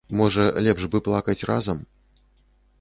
Можа, лепш бы плакаць разам?